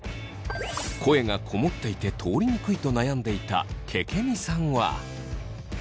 声がこもっていて通りにくいと悩んでいたけけみさんは。